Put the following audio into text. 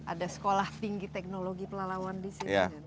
ada sekolah tinggi teknologi pelalawan disini